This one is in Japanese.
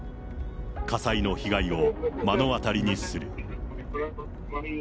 火災の被害を目の当たりにする。